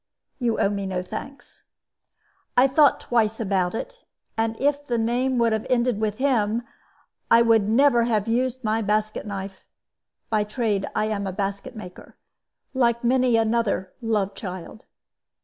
You owe me no thanks. I thought twice about it, and if the name would have ended with him, I would never have used my basket knife. By trade I am a basket maker, like many another 'love child.'